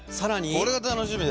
これは楽しみだよ。